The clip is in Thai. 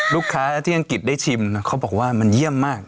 ลูกค้าที่อังกฤษได้ชิมเขาบอกว่ามันเยี่ยมมาก